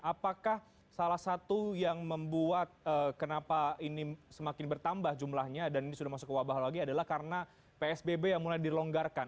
apakah salah satu yang membuat kenapa ini semakin bertambah jumlahnya dan ini sudah masuk ke wabah lagi adalah karena psbb yang mulai dilonggarkan